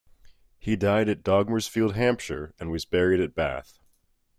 He died at Dogmersfield, Hampshire, and was buried at Bath.